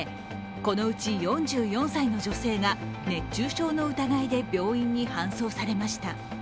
このうち４４歳の女性が熱中症の疑いで病院に搬送されました。